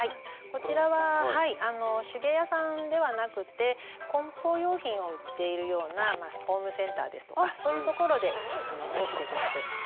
こちらは手芸屋さんではなくてこん包用品を売っているようなホームセンターですとかそういうところで入手できます。